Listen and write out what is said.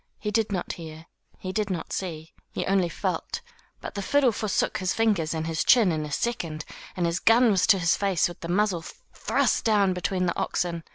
He did not hear, he did not see, he only felt; but the fiddle forsook his fingers and his chin in a second, and his gun was to his face with the muzzle thrust down between the oxen.